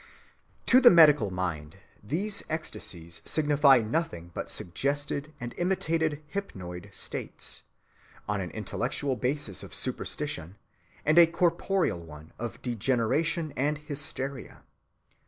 ‐‐‐‐‐‐‐‐‐‐‐‐‐‐‐‐‐‐‐‐‐‐‐‐‐‐‐‐‐‐‐‐‐‐‐‐‐ To the medical mind these ecstasies signify nothing but suggested and imitated hypnoid states, on an intellectual basis of superstition, and a corporeal one of degeneration and hysteria.